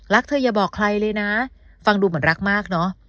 เธออย่าบอกใครเลยนะฟังดูเหมือนรักมากเนอะ